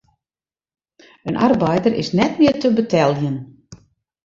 In arbeider is net mear te beteljen.